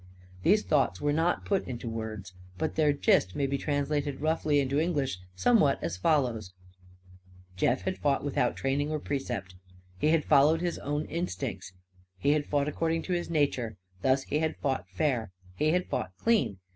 These thoughts were not put into words. But their gist may be translated roughly into English, somewhat as follows: Jeff had fought without training or precept. He had followed his own instincts. He had fought according to his nature. Thus, he had fought fair. He had fought clean.